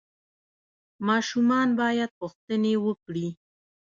ماشومان باید پوښتنې وکړي.